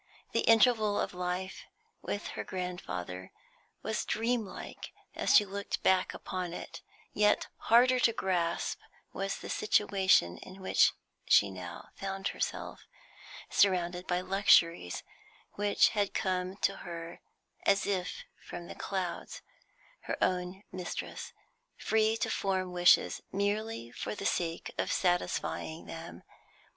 The interval of life with her grandfather was dreamlike as she looked back upon it; yet harder to grasp was the situation in which she now found herself, surrounded by luxuries which had come to her as if from the clouds, her own mistress, free to form wishes merely for the sake of satisfying them.